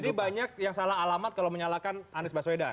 jadi banyak yang salah alamat kalau menyalahkan anies baswedan